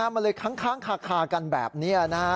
มันเลยค้างคากันแบบนี้นะฮะ